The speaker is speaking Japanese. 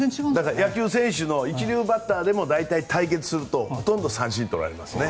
野球選手の一流バッターでも対決するとほとんど三振取られますね。